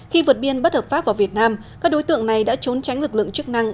khi vượt biên bất hợp pháp vào việt nam các đối tượng này đã trốn tránh lực lượng chức năng